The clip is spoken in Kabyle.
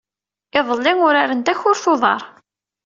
Iḍelli, uraren takurt n uḍar.